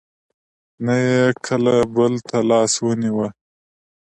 نه یې کله بل ته لاس ونېوه.